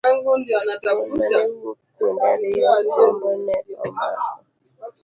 Mon mane wuok kuonde ariyogo, gombo ne omako.